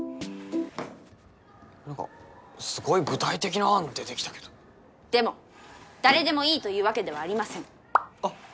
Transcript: なんかすごい具体的な案出てきたけどでも誰でもいいというわけではありませんあっ